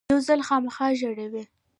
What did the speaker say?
یو ځل خامخا ژړوي .